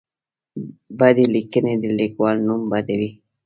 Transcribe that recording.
بدې لیکنې د لیکوال نوم بدوي.